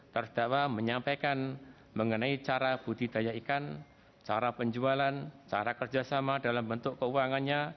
terdakwa menyampaikan mengenai cara budidaya ikan cara penjualan cara kerjasama dalam bentuk keuangannya